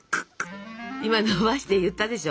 今のばして言ったでしょ。